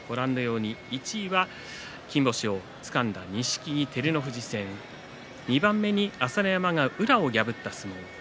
１位は金星をつかんだ錦木、照ノ富士戦２番目には朝乃山が宇良を破った相撲。